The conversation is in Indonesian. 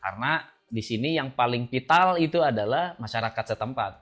karena di sini yang paling vital adalah masyarakat setempat